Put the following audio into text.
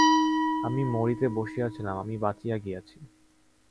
আমি মরিতে বসিয়াছিলাম, আমি বাঁচিয়া গিয়াছি।